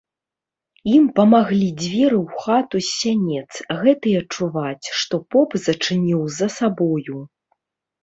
Ім памаглі дзверы ў хату з сянец, гэтыя чуваць, што поп зачыніў за сабою.